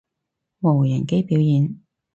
無人機表演